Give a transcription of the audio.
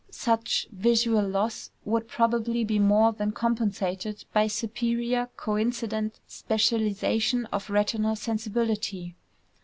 Such visual loss would probably be more than compensated by superior coincident specializations of retinal sensibility.